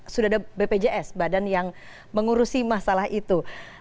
sudah ada bpjs badan yang mengurusi masalah itu